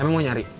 emang mau nyari